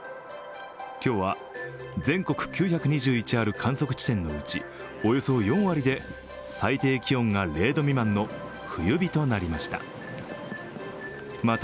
今日は全国９２１ある観測地点のうちおよそ４割で最低気温が０度未満の冬日となりました。